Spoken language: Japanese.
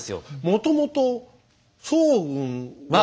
もともと早雲は。